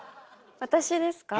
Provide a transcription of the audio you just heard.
私ですか？